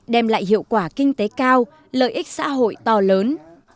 đem lại hiệu quả kinh tế cao lợi ích xã hội to lớn